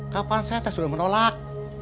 kapan saya saya sudah menolak